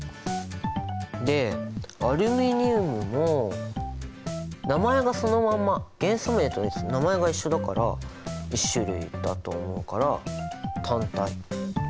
でアルミニウムも名前がそのまんま元素名と名前が一緒だから１種類だと思うから単体。